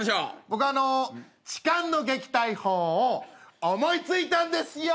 僕あの痴漢の撃退法を思い付いたんですよ！